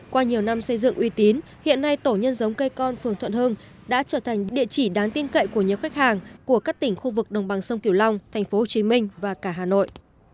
qua nhiều năm xây dựng uy tín hiện nay tổ nhân giống cây con phường thuận hưng đã trở thành địa chỉ đáng tin cậy của nhiều khách hàng của các tỉnh khu vực đồng bằng sông kiều long tp hcm và cả hà nội